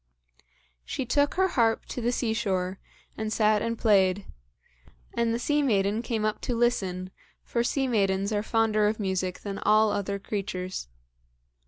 She took her harp to the sea shore, and sat and played; and the sea maiden came up to listen, for sea maidens are fonder of music than all other creatures.